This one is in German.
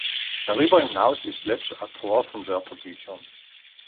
Darüber hinaus ist Lötzsch Autor von Wörterbüchern.